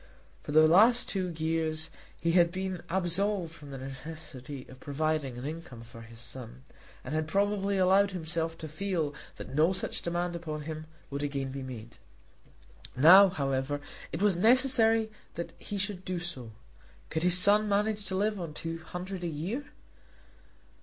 For the last two years he had been absolved from the necessity of providing an income for his son, and had probably allowed himself to feel that no such demand upon him would again be made. Now, however, it was necessary that he should do so. Could his son manage to live on two hundred a year?